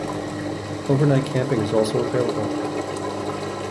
Overnight camping is also available.